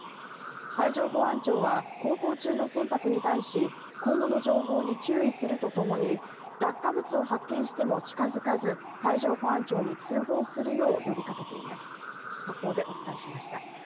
海上保安庁は航行中の船舶に対し、今後の情報に注意するとともに落下物を発見しても近づかず海上保安庁に通報するよう呼びかけています。